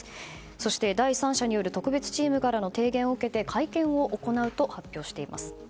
そして第三者による特別チームからの提言を受けて会見を行うと発表しています。